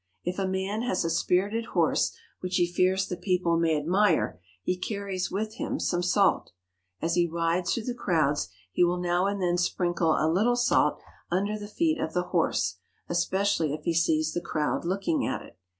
If a man has a spirited horse which he fears the people may admire, he carries with him some salt. As he rides through the crowds he will now and then sprinkle a little salt under the feet of the horse, especially if he sees the crowd looking at it.